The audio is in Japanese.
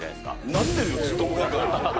なってるよ、ずっと前から。